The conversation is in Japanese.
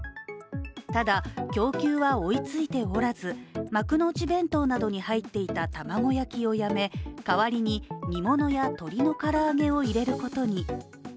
ただ、供給は追いついておらず、幕の内弁当などに入っていた玉子焼きをやめ、代わりに煮物や鶏の唐揚げを入れることに。